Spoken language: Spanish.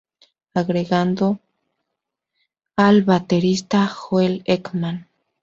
Agregando al baterista Joel Ekman.